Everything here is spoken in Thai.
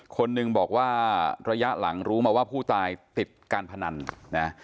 คนหนึ่งบอกว่าระยะหลังรู้มาว่าผู้ตายติดการพนันนะ